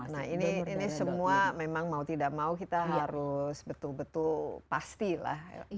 nah ini semua memang mau tidak mau kita harus betul betul pastilah